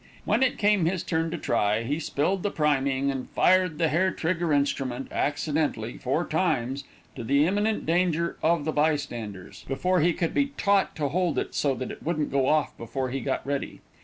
When it came to his turn to try, he spilled the priming, and fired the hair trigger instrument, accidentally, four times, to the imminent danger of the bystanders, before he could be taught to hold it so that it wouldn't go off before he got ready.